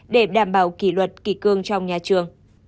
để đảm bảo kỷ luật kỳ cương trong nhà trường